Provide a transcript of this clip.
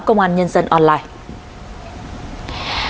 công an nhân dân online